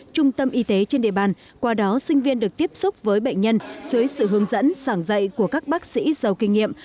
trung tâm y tế trên địa bàn qua đó sinh viên được tiếp xúc với bệnh nhân dưới sự hướng dẫn sảng dạy của các bác sĩ giàu kinh nghiệm